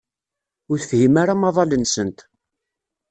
Ur tefhim ara amaḍal-nsent.